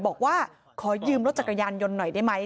บอกว่าขอยืมรถจักรยานยนต์หน่อยได้ไหม